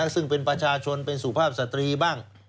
ซึ่งเป็นประชาชนเป็นสุภาพสตรีบ้าง